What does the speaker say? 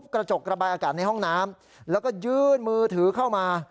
กระจกระบายอากาศในห้องน้ำแล้วก็ยื่นมือถือเข้ามา